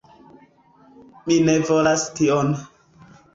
Mi ne volas tion